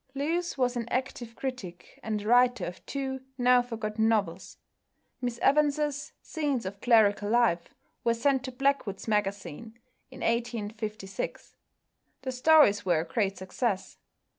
Lewes was an active critic, and a writer of two now forgotten novels. Miss Evans's "Scenes of Clerical Life" were sent to Blackwood's Magazine in 1856. The stories were a great success.